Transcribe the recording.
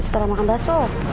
setelah makan bakso